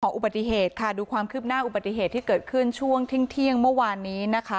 อุบัติเหตุค่ะดูความคืบหน้าอุบัติเหตุที่เกิดขึ้นช่วงเที่ยงเมื่อวานนี้นะคะ